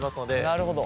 なるほど。